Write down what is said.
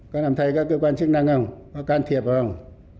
có làm thay các cơ quan chức năng không có can thiệp vào không